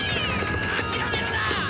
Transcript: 諦めるな！